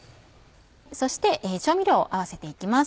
そして調味料を合わせて行きます。